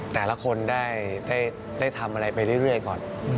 แต่ละคนได้ทำอะไรไปเรื่อยก่อน